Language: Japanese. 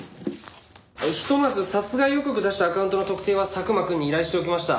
ひとまず殺害予告を出したアカウントの特定は佐久間くんに依頼しておきました。